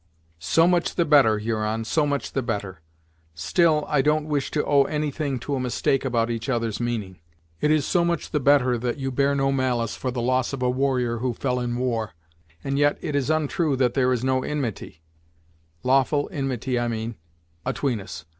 "So much the better, Huron; so much the better. Still I don't wish to owe any thing to a mistake about each other's meaning. It is so much the better that you bear no malice for the loss of a warrior who fell in war, and yet it is ontrue that there is no inmity lawful inmity I mean atween us.